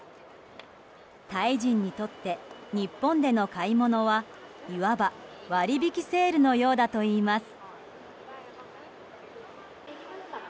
タイ人にとって日本での買い物はいわば割引セールのようだといいます。